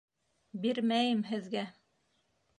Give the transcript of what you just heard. — Бирмәйем һеҙгә.